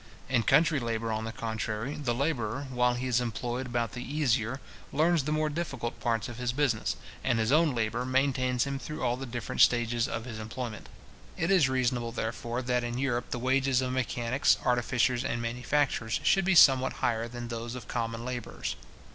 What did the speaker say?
In country labour, on the contrary, the labourer, while he is employed about the easier, learns the more difficult parts of his business, and his own labour maintains him through all the different stages of his employment. It is reasonable, therefore, that in Europe the wages of mechanics, artificers, and manufacturers, should be somewhat higher than those of common labourers.